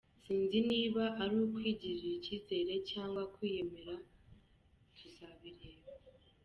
Sinzi niba ari ukwigirira icyizere cyangwa kwiyemera, tuzabireba.